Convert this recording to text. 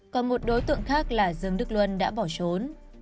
còn một đối tượng khác là dương đức luân đã bỏ trốn